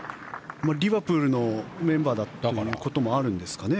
リバプールのメンバーということもあるんですかね。